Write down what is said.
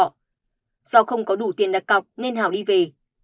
do không có đủ tiền đặt cọc nên hảo đi về